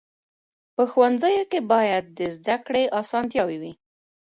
په ښوونځیو کي باید د زده کړي اسانتیاوې وي.